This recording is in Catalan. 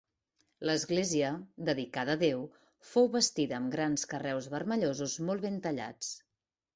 L'església, dedicada a Déu, fou bastida amb grans carreus vermellosos molt ben tallats.